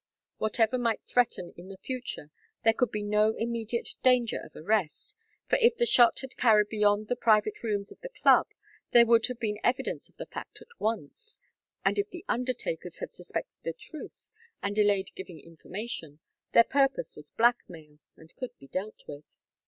Whatever might threaten in the future there could be no immediate danger of arrest, for if the shot had carried beyond the private rooms of the Club there would have been evidence of the fact at once, and if the undertakers had suspected the truth and delayed giving information, their purpose was blackmail and could be dealt with.